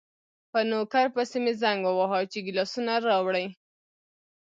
په نوکر پسې مې زنګ وواهه چې ګیلاسونه راوړي.